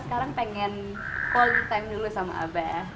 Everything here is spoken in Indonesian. sekarang pengen calling time dulu sama abah